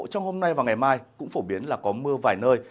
trong hôm nay và ngày mai cũng phổ biến là có mưa vài nơi